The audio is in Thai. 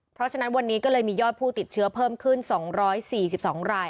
เพราะฉะนั้นวันนี้ก็เลยมียอดผู้ติดเชื้อเพิ่มขึ้น๒๔๒ราย